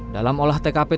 dalam olah tkp tersebut